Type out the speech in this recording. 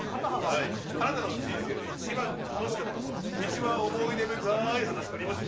あなたの人生で一番楽しかったとか一番思い出深い話ありますか？